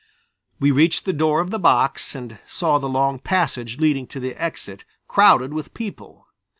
We reached the door of the box and saw the long passage leading to the exit crowded with people.